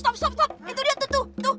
berhenti itu dia